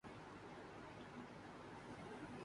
اس طرح Islamophobia خوف یا اسلام